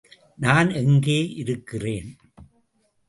நான் எங்கே இருக்கிறேன்?